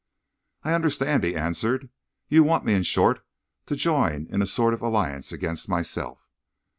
"I understand," he answered. "You want me, in short, to join in a sort of alliance against myself?"